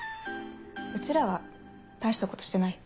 うちらは大したことしてないよ。